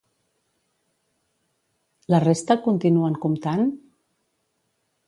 La resta continuen comptant?